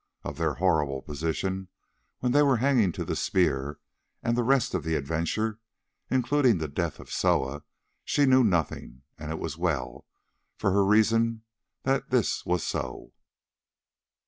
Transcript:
Of their horrible position when they were hanging to the spear, and the rest of the adventure, including the death of Soa, she knew nothing, and it was well for her reason that this was so.